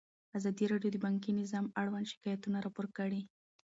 ازادي راډیو د بانکي نظام اړوند شکایتونه راپور کړي.